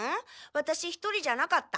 ワタシ一人じゃなかった。